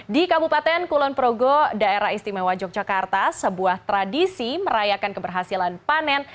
di kabupaten kulon progo daerah istimewa yogyakarta sebuah tradisi merayakan keberhasilan panen